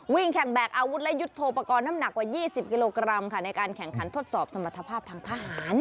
แข่งแบกอาวุธและยุทธโทปกรณ์น้ำหนักกว่า๒๐กิโลกรัมค่ะในการแข่งขันทดสอบสมรรถภาพทางทหาร